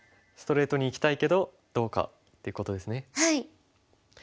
ストレートにいきたいけどどうかってことですね。